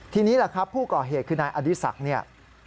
ทีนี้แหละครับผู้ก่อเหตุคือนายอดีศักดิ์เนี่ย